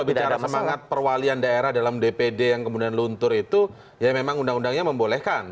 jadi kalau bicara semangat perwalian daerah dalam dpd yang kemudian luntur itu ya memang undang undangnya membolehkan